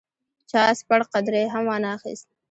چا سپڼ قدرې هم وانه اخیست.